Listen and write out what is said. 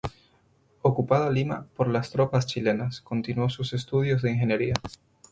Ocupada Lima por las tropas chilenas, continuó sus estudios de ingeniería.